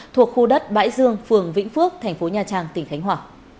thuộc khu đất bãi dương phường vĩnh phước tp nha trang tỉnh khánh hòa